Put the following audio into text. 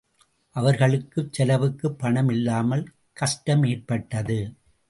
அவர்களுக்குச் செலவுக்குப் பணம் இல்லாமல் கஷ்டமேற்பட்டது.